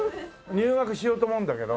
入学しようと思うんだけど。